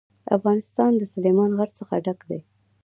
افغانستان له سلیمان غر څخه ډک دی.